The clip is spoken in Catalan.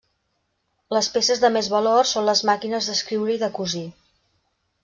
Les peces de més valor són les màquines d'escriure i de cosir.